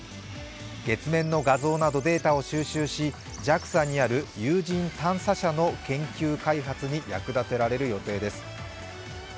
月面の画像などデータを収集し有人探査車の研究開発に役立てられる予定です。